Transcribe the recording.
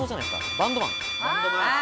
バンドマン。